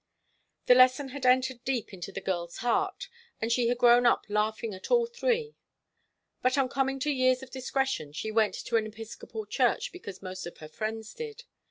The lesson had entered deep into the girl's heart, and she had grown up laughing at all three; but on coming to years of discretion she went to an Episcopal church because most of her friends did.